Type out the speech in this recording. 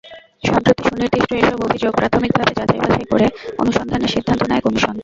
সম্প্রতি সুনির্দিষ্ট এসব অভিযোগ প্রাথমিকভাবে যাচাই-বাছাই করে অনুসন্ধানের সিদ্ধান্ত নেয় কমিশন।